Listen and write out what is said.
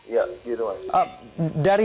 ya gitu pak